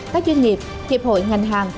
các doanh nghiệp hiệp hội ngành hàng